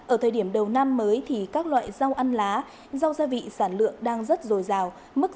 ở thời điểm đầu năm mới thì các loại rau ăn lá rau gia vị sản lượng đang rất dồi dào